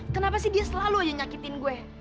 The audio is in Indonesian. kenapa sih dia selalu hanya nyakitin gue